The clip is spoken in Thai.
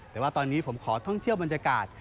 แต่ว่าตอนนี้ผมขอท่องเที่ยวบรรยากาศ